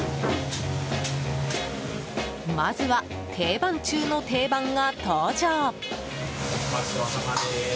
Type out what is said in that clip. まずは、定番中の定番が登場。